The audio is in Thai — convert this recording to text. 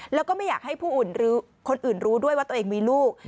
แล้วก็ไม่อยากให้ผู้อื่นหรือคนอื่นรู้ด้วยว่าตัวเองมีลูก